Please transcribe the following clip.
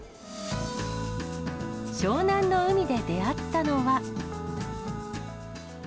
湘南の海で出会ったのは。